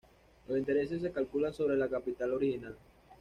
Los intereses se calculan sobre el capital original.